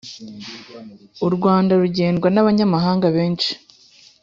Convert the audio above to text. Urwanda rugendwa nabanyamahanga benshi